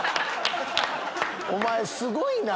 お前すごいな。